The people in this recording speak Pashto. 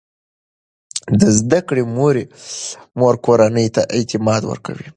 د زده کړې مور کورنۍ ته اعتماد ورکوي.